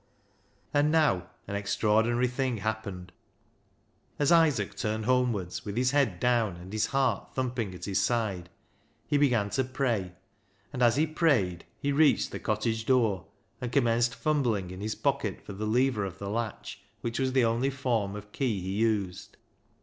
And now an extraordinary thing happened. As Isaac turned homewards, with his head down and his heart thumping at his side, he began to pray, and as he prayed he reached the cottage door and commenced fumbling in his pocket for the lever of the latch, which was the only form of key he used.